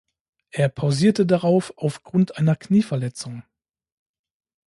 Er pausierte darauf aufgrund einer Knieverletzung.